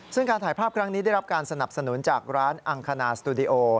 ซึ่งการถ่ายภาพครั้งนี้ได้รับการสนับสนุนจากร้านอังคณาสตูดิโอ